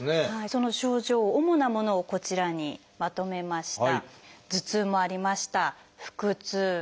その症状主なものをこちらにまとめました。